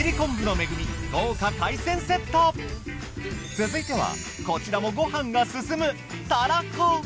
続いてはこちらもごはんが進むたらこ。